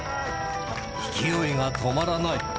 勢いが止まらない。